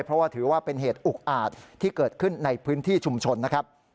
เพราะว่าถือว่าเป็นเหตุอุกอาจที่เกิดขึ้นในพื้นที่ชุมชนนะครับ